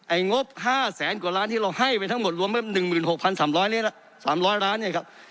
ไอ้งบห้าแสนกว่าร้านที่เราให้ไปทั้งหมดรวมเมื่อหนึ่งหมื่นหกพันสามร้อยเนี่ยนะสามร้อยร้านเนี่ยครับ